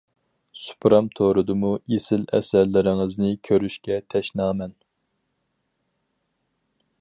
سۇپرام تورىدىمۇ ئېسىل ئەسەرلىرىڭىزنى كۆرۈشكە تەشنامەن.